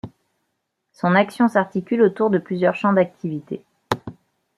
Son action s'articule autour de plusieurs champs d'activités.